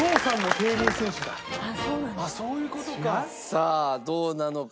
さあどうなのか。